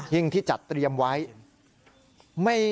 หิ้งที่จัดเตรียมไว้